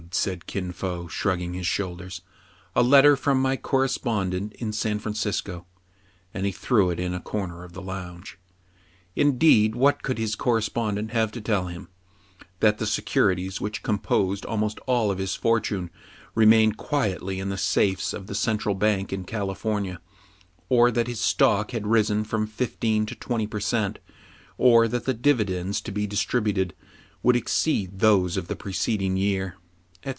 " said Kin Fo, shrugging his shoulders, "a letter from my correspondent in San Fran cisco." And he threw it in a corner of the lounge. Indeed, what could his correspondent have to tell him } That the securities which composed al most all his fortune remained quietly in the safes of the Central Bank in California, or that his stock had risen from fifteen to twenty per cent, or that the dividends to be distributed would exceed those of the preceding year, &c.